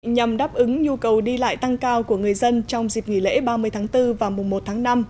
nhằm đáp ứng nhu cầu đi lại tăng cao của người dân trong dịp nghỉ lễ ba mươi tháng bốn và mùa một tháng năm